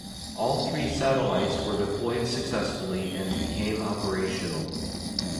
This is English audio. All three satellites were deployed successfully and became operational.